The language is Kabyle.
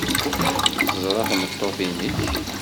Teẓra tmeṭṭut-nnek?